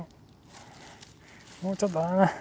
もうちょっとあ。